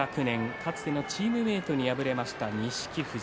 かつてのチームメートに敗れました錦富士。